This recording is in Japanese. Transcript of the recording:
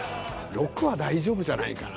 ６は大丈夫じゃないかな。